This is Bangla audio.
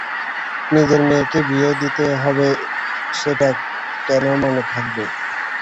নিজের মেয়েকেও বিয়ে দিতে হবে সেটা কেন মনে থাকবে?